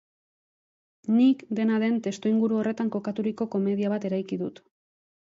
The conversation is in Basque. Nik, dena den, testuinguru horretan kokaturiko komedia bat eraiki dut.